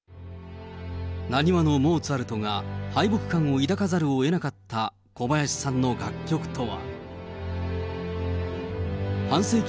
なにわのモーツァルトが、敗北感を抱かざるをえなかった、小林さんの楽曲とは。